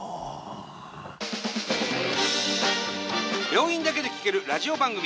病院だけで聴けるラジオ番組。